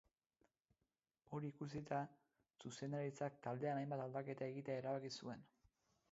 Hori ikusita, zuzendaritzak taldean hainbat aldaketa egitea erabaki zuen.